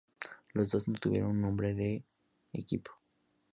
Los dos no tuvieron un nombre de equipo.